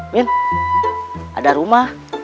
min ada rumah